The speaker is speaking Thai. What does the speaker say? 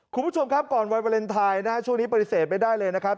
คุณผู้ชมครับก่อนวันวาเลนไทยนะช่วงนี้ปฏิเสธไม่ได้เลยนะครับ